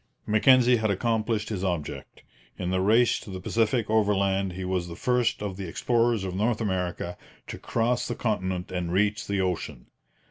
Mackenzie had accomplished his object. In the race to the Pacific overland he was the first of the explorers of North America to cross the continent and reach the ocean.